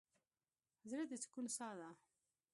زړه د سکون څاه ده.